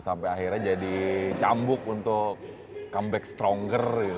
sampai akhirnya jadi cambuk untuk comeback stronger gitu